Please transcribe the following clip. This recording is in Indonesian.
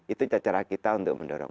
itu cara cara kita untuk mendorong